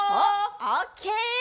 オッケー！